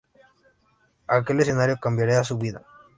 Aquel escenario cambiaría su vida.